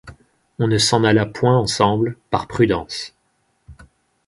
On ne s’en alla point ensemble, par prudence.